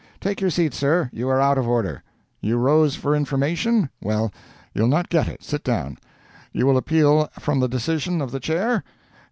Take your seat, sir, you are out of order. You rose for information? Well, you'll not get it—sit down. You will appeal from the decision of the Chair?